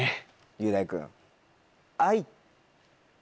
雄大君。